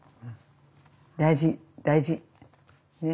大事大事。ね。